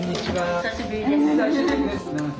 お久しぶりです。